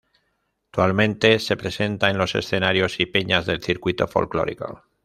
Actualmente se presenta en los escenarios y peñas del circuito folklórico.